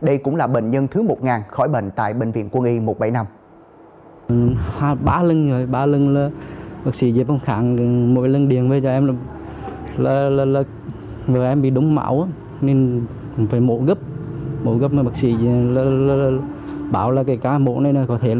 đây cũng là bệnh nhân thứ một khỏi bệnh tại bệnh viện quân y một trăm bảy mươi năm